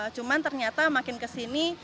cuman ternyata makin kesini